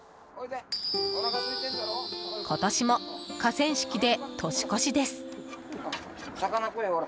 今年も河川敷で年越しです。